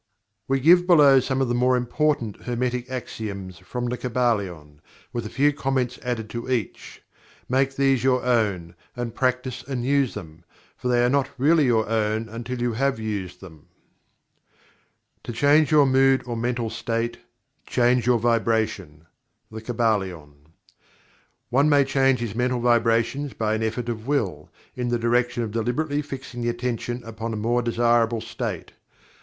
We give below some of the more important Hermetic Axioms, from The Kybalion, with a few comments added to each. Make these your own, and practice and use them, for they are not really your own until you have Used them. "To change your mood or mental state change your vibration." The Kybalion. One may change his mental vibrations by an effort of Will, in the direction of deliberately fixing the Attention upon a more desirable state.